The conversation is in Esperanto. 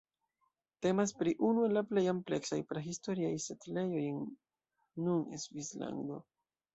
Temas pri unu el la plej ampleksaj prahistoriaj setlejoj en nun Svislando.